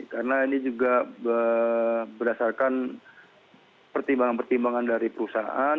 karena ini juga berdasarkan pertimbangan pertimbangan dari perusahaan